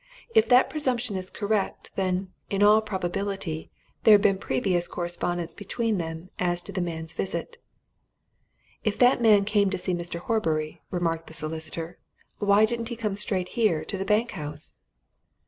If that presumption is correct, then, in all probability, there'd been previous correspondence between them as to the man's visit." "If that man came to see Mr. Horbury," remarked the solicitor, "why didn't he come straight here to the bank house?"